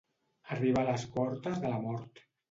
Arribar a les portes de la mort.